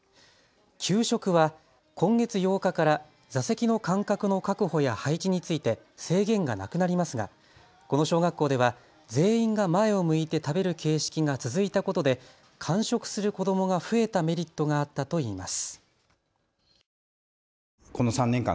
給食は今月８日から座席の間隔の確保や配置について制限がなくなりますがこの小学校では全員が前を向いて食べる形式が続いたことで完食する子どもが増えたメリットがあったといいます。